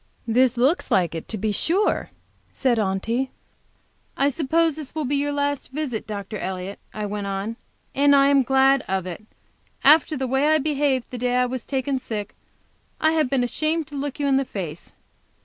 "This looks like it, to be sure!" said Aunty. "I suppose this will be your last visit, Dr. Elliott," I went on, "and I am glad of it. After the way I behaved the day I was taken sick, I have been ashamed to look you in the face.